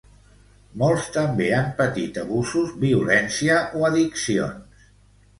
Molts també han patit abusos, violència o addiccions.